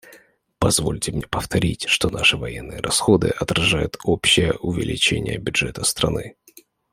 Позвольте мне повторить, что наши военные расходы отражают общее увеличение бюджета страны.